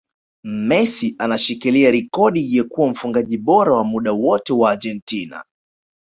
Messi anashikilia rekodi ya kuwa mfungaji bora wa muda wote wa Argentina